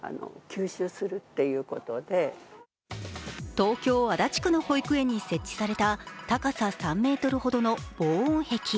東京・足立区の保育園に設置された、高さ３ｍほどの防音壁。